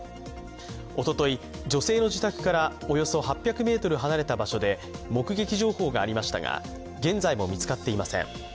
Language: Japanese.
おととい、女性の自宅からおよそ８００ｍ離れた場所で目撃情報がありましたが現在も見つかっていません。